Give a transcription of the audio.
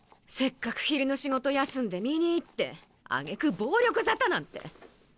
せっかく昼の仕事休んで見に行ってあげく暴力沙汰なんて！